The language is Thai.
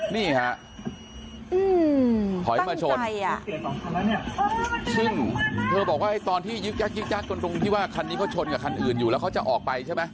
นี่ฮะถอยมาชนซึ่งเธอบอกว่าตอนที่ยึกยักยึกยักจนตรงที่ว่าคันนี้เขาชนกับคันอื่นอยู่แล้วเขาจะออกไปใช่ไหม